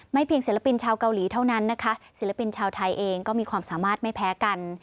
เพียงศิลปินชาวเกาหลีเท่านั้นนะคะศิลปินชาวไทยเองก็มีความสามารถไม่แพ้กัน